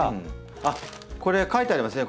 あっこれ書いてありますね